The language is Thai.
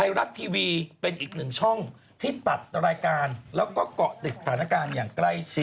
รัฐทีวีเป็นอีกหนึ่งช่องที่ตัดรายการแล้วก็เกาะติดสถานการณ์อย่างใกล้ชิด